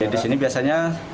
di sini biasanya